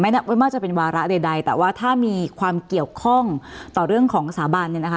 ไม่ว่าจะเป็นวาระใดแต่ว่าถ้ามีความเกี่ยวข้องต่อเรื่องของสถาบันเนี่ยนะคะ